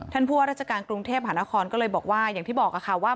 ท่านผู้ว่าราชการกรุงเทพฯหานครก็เลยบอกว่า